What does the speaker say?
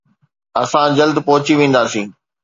اسان جلد پهچي وينداسين